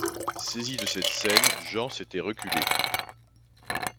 Saisi de cette scène, Jean s’était reculé.